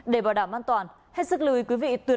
để bảo đảm an toàn hết sức lưu ý quý vị tuyệt